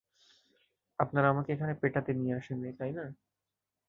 আপনারা আমাকে এখানে পেটাতে নিয়ে আসেননি, তাই না?